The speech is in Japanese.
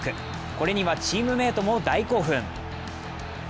これにはチームメイトも大興奮。